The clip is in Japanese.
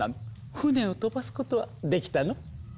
船を飛ばすことはできたの？